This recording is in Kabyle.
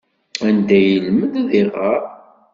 Anda ay yelmed ad iɣer?